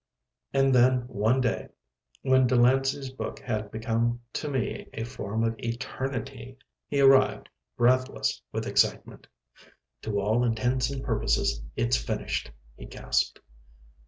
And then, one day, when Delancey's book had become to me a form of eternity, he arrived, breathless with excitement. "To all intents and purposes, it's finished," he gasped.